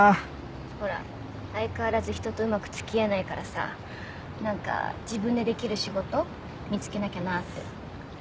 ほら相変わらず人とうまく付き合えないからさ何か自分でできる仕事見つけなきゃなって。